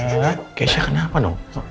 kayaknya isya kenapa nung